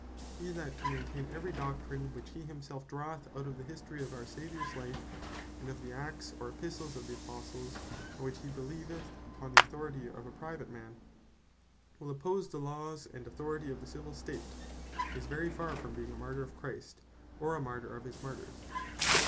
He, that to maintain every doctrine which he himself draweth out of the History of our Saviours life, and of the Acts, or Epistles of the Apostles; or which he beleeveth upon the authority of a private man, wil oppose the Laws and Authority of the Civill State, is very far from being a Martyr of Christ, or a Martyr of his Martyrs.